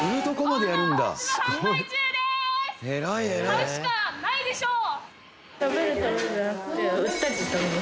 買うしかないでしょう！